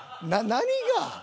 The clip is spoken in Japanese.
何が？